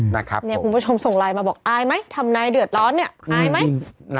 นี่คุณผู้ชมส่งไลน์มาบอกอ้ายมั้ยทำแน่เดือดร้อนเนียอ้ายมั้ย